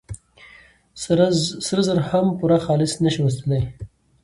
سره زر هم پوره خالص نه شي اوسېدلي.